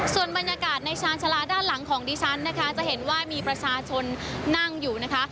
ส่วนบรรยากาศในชาญชาลาด้านหลังของดิฉันนะคะจะเห็นว่ามีประชาชนนั่งอยู่นะคะ